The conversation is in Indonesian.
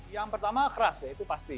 yang pertama keras ya itu pasti